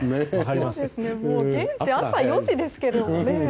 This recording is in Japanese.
現地、朝４時ですけどね。